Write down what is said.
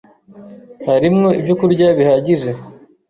harimwo ibyo kurya bihagije